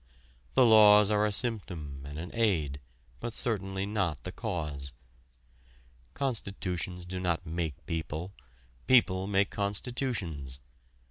The laws are a symptom and an aid but certainly not the cause. Constitutions do not make people; people make constitutions.